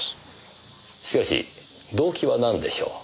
しかし動機はなんでしょう？